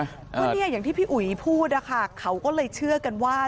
เพราะนี้อย่างที่พี่อุ๋ยพูดค่ะเขาก็เลยเชื่อกันว่า